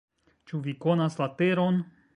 Ĉu vi konas la teron?